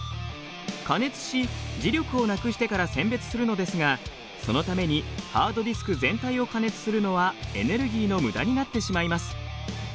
加熱し磁力をなくしてから選別するのですがそのためにハードディスク全体を加熱するのはエネルギーの無駄になってしまいます。